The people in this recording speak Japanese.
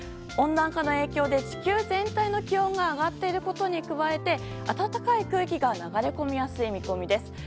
温暖化の影響で地球全体の気温が上がっていることに加えて暖かい空気が流れ込みやすい見込みです。